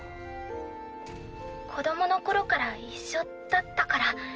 子どもの頃から一緒だったから。